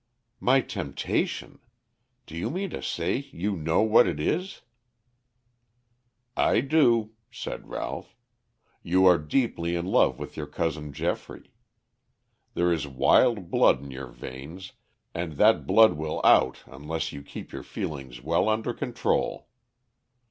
"My temptation! Do you mean to say you know what it is?" "I do," said Ralph. "You are deeply in love with your cousin Geoffrey. There is wild blood in your veins, and that blood will out unless you keep your feelings well under control.